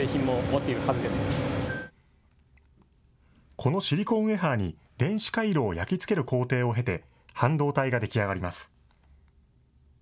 このシリコンウエハーに、電子回路を焼き付ける工程を経て、半導体が出来上がります。